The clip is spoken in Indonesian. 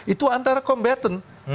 itu antara combatant